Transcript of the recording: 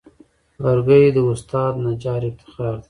لرګی د استاد نجار افتخار دی.